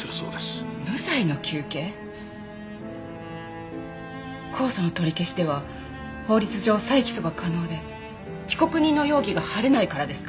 無罪の求刑？公訴の取り消しでは法律上再起訴が可能で被告人の容疑が晴れないからですか？